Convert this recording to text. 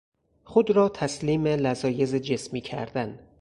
خود را تسلیم لذایذ جسمی کردن